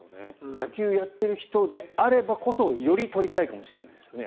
野球をやってる人であればこそより撮りたいかもしれないですね。